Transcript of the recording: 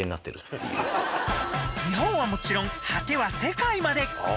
［日本はもちろん果ては世界まで］